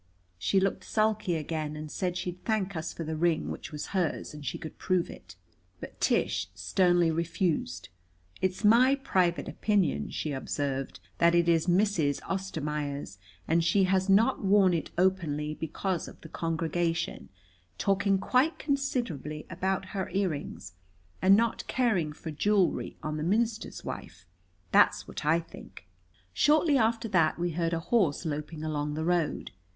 She looked sulky again, and said she'd thank us for the ring, which was hers and she could prove it. But Tish sternly refused. "It's my private opinion," she observed, "that it is Mrs. Ostermaier's, and she has not worn it openly because of the congregation talking quite considerably about her earrings, and not caring for jewelry on the minister's wife. That's what I think." Shortly after that we heard a horse loping along the road.